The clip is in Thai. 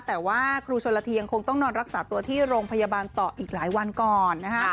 แต่ว่าครูชนละทียังคงต้องนอนรักษาตัวที่โรงพยาบาลต่ออีกหลายวันก่อนนะคะ